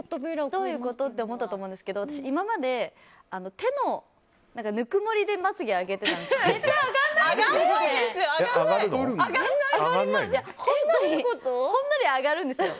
どういうことって思ったと思うんですけど今まで、手のぬくもりでまつげを上げてたんですよ。